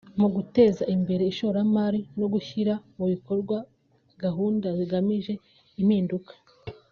mu guteza imbere ishoramari no gushyira mu bikorwa gahunda zigamije impinduka